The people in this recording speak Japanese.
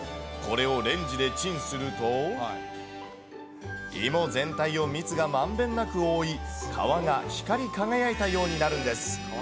これをレンジでチンすると、芋全体を蜜がまんべんなく覆い、皮が光り輝いたようになるんです。